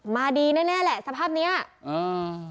มาดีแน่แน่แหละสภาพเนี้ยอืม